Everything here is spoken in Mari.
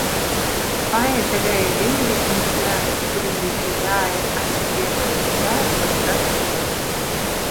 Фая тыгай айдеме деч мӱшкыраҥын, кудын деч уда але черле йоча шочшаш огыл.